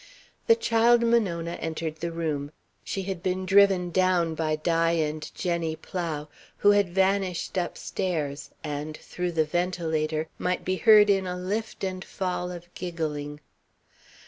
The child Monona entered the room. She had been driven down by Di and Jenny Plow, who had vanished upstairs and, through the ventilator, might be heard in a lift and fall of giggling.